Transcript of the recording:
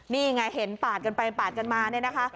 นี่ไงเห็นปาดกันมาแล้วเกิดได้นะค่ะ